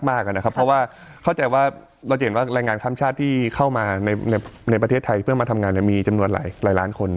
เพราะว่าเข้าใจว่าเราจะเห็นว่าแรงงานข้ามชาติที่เข้ามาในประเทศไทยเพื่อมาทำงานมีจำนวนหลายล้านคน